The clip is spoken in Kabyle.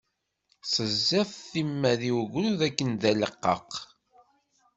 Teẓẓiḍ timmad i ugrud akken d aleqqaq.